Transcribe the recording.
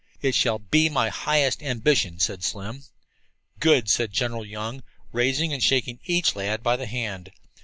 "It shall be my highest ambition," said Slim. "Good!" said General Young, rising and shaking each lad by the hand.